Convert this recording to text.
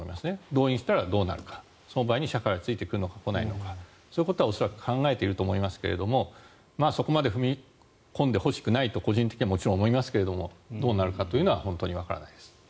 動員したらどうなるかその場合に社会はついてくるのか、来ないのかそういうことは恐らく考えていると思いますがそこまで踏み込んでほしくないと個人的にはもちろん思いますがどうなるかというのは本当にわからないです。